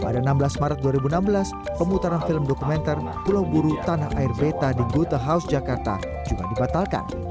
pada enam belas maret dua ribu enam belas pemutaran film dokumenter pulau buru tanah air beta di gotahouse jakarta juga dibatalkan